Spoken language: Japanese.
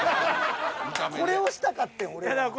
これをしたかってん俺は。